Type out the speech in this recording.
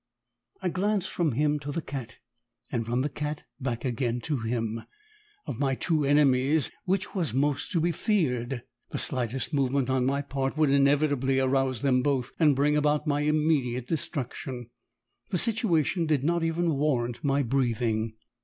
I glanced from him to the cat, and from the cat back again to him. Of my two enemies, which was most to be feared? The slightest movement on my part would inevitably arouse them both, and bring about my immediate destruction. The situation did not even warrant my breathing.